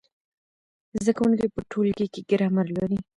زده کوونکي په ټولګي کې ګرامر لولي.